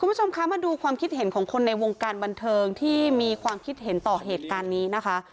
คุณผู้ชมคะมาดูความคิดเห็นของคนในวงการบันเทิงที่มีความคิดเห็นต่อเหตุการณ์นี้นะคะ